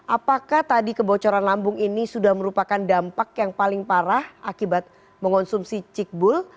apakah tadi kebocoran lambung ini sudah merupakan dampak yang paling parah akibat mengonsumsi cikbul